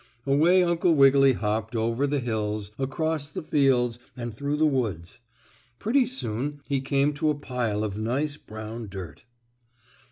Away Uncle Wiggily hopped over the hills, across the fields and through the woods. Pretty soon he came to a pile of nice brown dirt.